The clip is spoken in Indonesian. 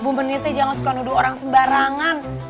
bu benite jangan suka nudul orang sembarangan